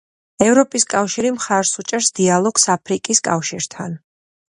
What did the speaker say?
ევროპის კავშირი მხარს უჭერს დიალოგს აფრიკის კავშირთან.